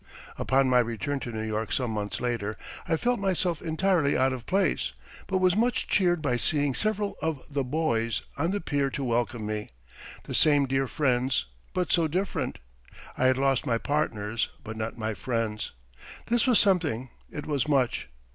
Upon my return to New York some months later, I felt myself entirely out of place, but was much cheered by seeing several of "the boys" on the pier to welcome me the same dear friends, but so different. I had lost my partners, but not my friends. This was something; it was much.